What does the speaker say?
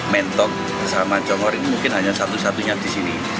mentok sama congor ini mungkin hanya satu satunya di sini